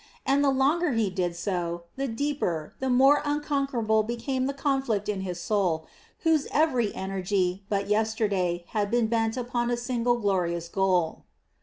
And the longer he did so, the deeper, the more unconquerable became the conflict in his soul, whose every energy, but yesterday, had been bent upon a single glorious goal.